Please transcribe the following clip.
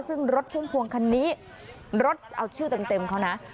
ซึ่งรถพุ่มพวงคันนี้รถเอาชื่อเต็มเขานะ